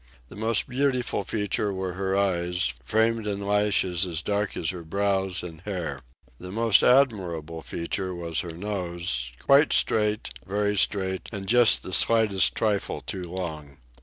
The most beautiful feature was her eyes, framed in lashes as dark as her brows and hair. The most admirable feature was her nose, quite straight, very straight, and just the slightest trifle too long.